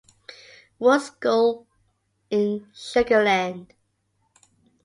Wood School in Sugar Land.